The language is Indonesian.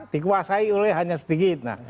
dikuasai oleh hanya sedikit